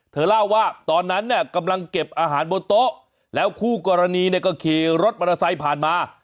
เธอเล่าว่าตอนนั้นเนี่ยกำลังเก็บอาหารบนโต๊ะแล้วคู่กรณีเนี่ยก็ขี่รถมอเตอร์ไซค์ผ่านมา